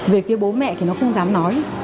về phía bố mẹ thì nó không dám nói